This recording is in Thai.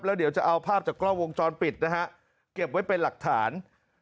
แล้วเดี๋ยวจะเอาภาพจากกล้องวงจรปิดนะฮะเก็บไว้เป็นหลักฐาน